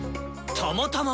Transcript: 「たまたま」！